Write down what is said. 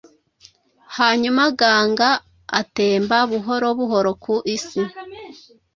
hanyuma ganga atemba buhoro buhoro ku isi,